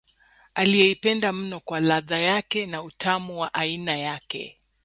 Aliyeipenda mno kwa ladha yake na utamu wa aina yake